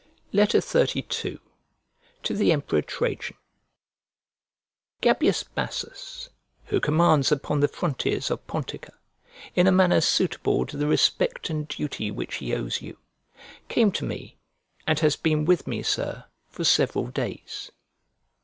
XXXII To THE EMPEROR TRAJAN GABIUS BASSUS, who commands upon the frontiers of Pontica, in a manner suitable to the respect and duty which he owes you, came to me, and has been with me, Sir, for several days.